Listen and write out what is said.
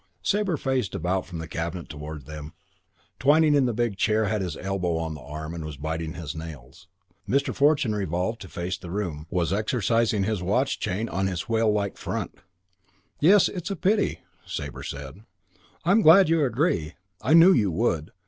Sabre faced about from the cabinet towards them. Twyning in the big chair had his elbow on the arm and was biting his nails. Mr. Fortune, revolved to face the room, was exercising his watch chain on his whale like front. "Yes, it's a pity," Sabre said. "I'm glad you agree. I knew you would.